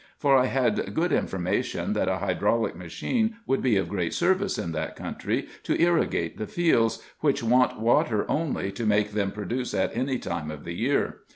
For I had good information, that a hydraulic machine would be of great service in that country, to irrigate the fields, which want water only, to make them produce at any time of the year.